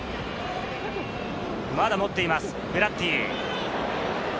まだ持っています、ベッラッティ。